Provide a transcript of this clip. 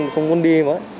không muốn đi